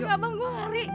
udah bang gua ngori